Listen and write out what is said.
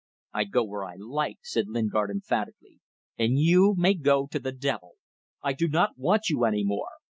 "I go where I like," said Lingard, emphatically, "and you may go to the devil; I do not want you any more.